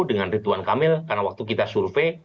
dengan ridwan kamil karena waktu kita survei